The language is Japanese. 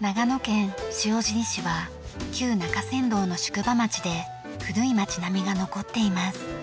長野県塩尻市は旧中山道の宿場町で古い街並みが残っています。